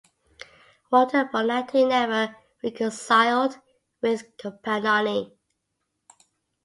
Walter Bonatti never reconciled with Compagnoni.